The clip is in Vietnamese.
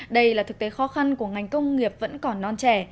đây là thực tế khó khăn của ngành công nghiệp vẫn còn non trẻ